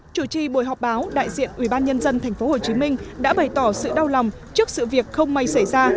chủ trì buổi họp báo đại diện ubnd tp hcm đã bày tỏ sự đau lòng trước sự việc không may xảy ra